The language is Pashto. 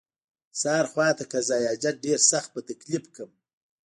سهار خواته قضای حاجت ډېر سخت په تکلیف کړم.